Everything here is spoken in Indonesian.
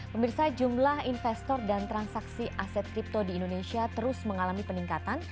pemirsa jumlah investor dan transaksi aset kripto di indonesia terus mengalami peningkatan